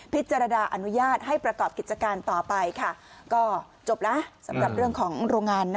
อนุญาตให้ประกอบกิจการต่อไปค่ะก็จบแล้วสำหรับเรื่องของโรงงาน